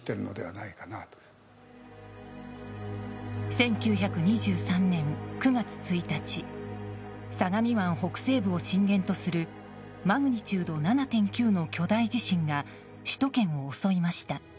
１９２３年９月１日相模湾北西部を震源とするマグニチュード７．９の巨大地震が首都圏を襲いました。